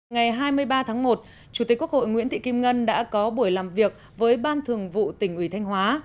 ngày hai mươi ba tháng một chủ tịch quốc hội nguyễn thị kim ngân đã có buổi làm việc với ban thường vụ tỉnh ủy thanh hóa